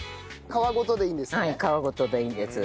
皮ごとでいいんですね？